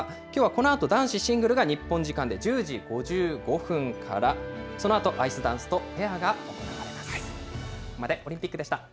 きょうはこのあと男子シングルが日本時間で１０時５５分から、そのあと、アイスダンスとペアが行われます。